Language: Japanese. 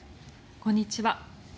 こんにちは。